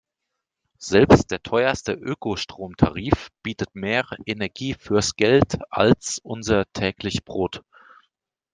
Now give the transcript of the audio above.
Selbst der teuerste Ökostromtarif bietet mehr Energie fürs Geld als unser täglich Brot.